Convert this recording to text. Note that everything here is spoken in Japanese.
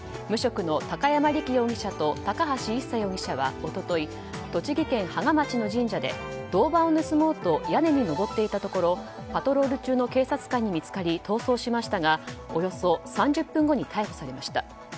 無職の高山力容疑者と高橋一颯容疑者は一昨日栃木県芳賀町の神社で銅板を盗もうと屋根に登っていたところパトロール中の警察官に見つかり、逃走しましたがおよそ３０分後に逮捕されました。